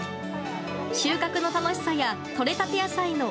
収穫の楽しさやとれたて野菜の